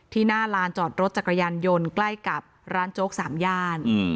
หน้าลานจอดรถจักรยานยนต์ใกล้กับร้านโจ๊กสามย่าน